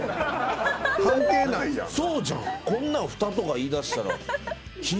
こんなんふたとか言いだしたら。